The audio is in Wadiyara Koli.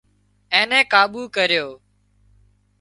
اين نين ڪاٻو ڪريو